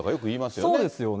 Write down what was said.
そうですよね。